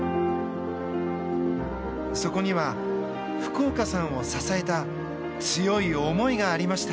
そこには福岡さんを支えた強い思いがありました。